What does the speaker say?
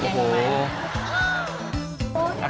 แกงหน่อไม้